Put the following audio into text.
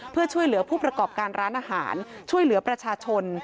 เพื่อช่วยเหลือผู้ประกอบการร้านอาหารช่วยเหลือประชาชน